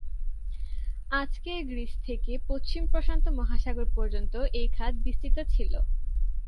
আজকের গ্রিস থেকে পশ্চিম প্রশান্ত মহাসাগর পর্যন্ত এই খাত বিস্তৃত ছিল।